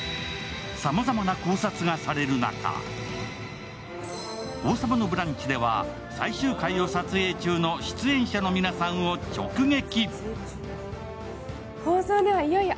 さまざまな考察がされる中、「王様のブランチ」では最終回を撮影中の出演者の皆さんを直撃。